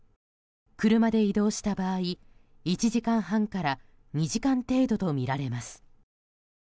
車で移動した場合、１時間半から２時間程度とみられます。